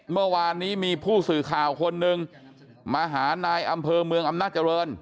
เมื่อวานนี้มีผู้สื่อข่าวคนหนึ่งมาหานายอำเภอเมืองอำนาจริง